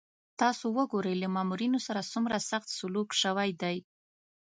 تاسو وګورئ له مامورینو سره څومره سخت سلوک شوی دی.